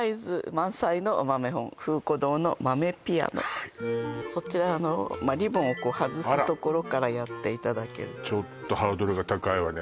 「こんなところから」そちらリボンをこう外すところからやっていただけるとちょっとハードルが高いわね